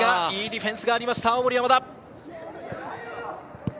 いいディフェンスがありました青森山田。